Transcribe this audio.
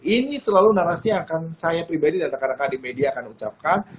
ini selalu narasi yang akan saya pribadi dan rekan rekan di media akan ucapkan